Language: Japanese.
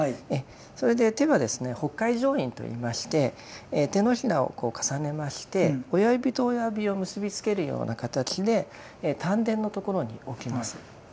それで手はですね法界定印と言いまして手のひらを重ねまして親指と親指を結びつけるような形で丹田のところに置きます。